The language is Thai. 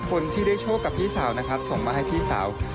คนที่ได้โชคกับพี่สาวนะครับส่งมาให้พี่สาว